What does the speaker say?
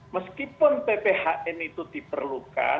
meskipun pbhn itu diperlukan